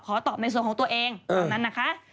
ขอตอบในส่วนของตัวเองตามนั้นนะคะ